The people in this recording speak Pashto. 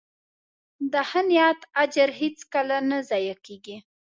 د ښه نیت اجر هیڅکله نه ضایع کېږي.